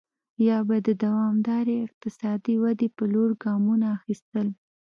یا به د دوامدارې اقتصادي ودې په لور ګامونه اخیستل.